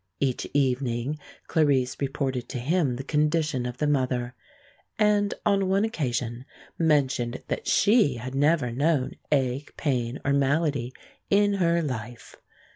Each evening Clarice reported to him the condition of the mother, and on one occasion mentioned that she had never known ache, pain, or malady in her life.